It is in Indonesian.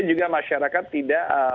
juga masyarakat tidak